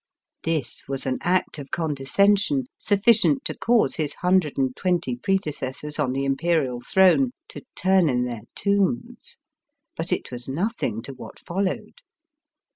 This was an act of condescension suflScient to cause his hundred and twenty predecessors on the Imperial throne to turn in their tombs. But it was nothing to what followed.